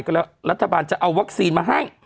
ก็แล้วรัฐบาลจะเอาวัคซีนมาให้